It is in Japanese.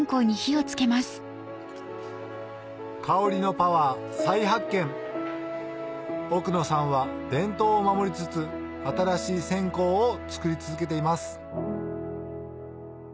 香りのパワー再発見奥野さんは伝統を守りつつ新しい線香を作り続けています